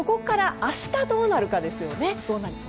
ここから明日どうなるかですよね。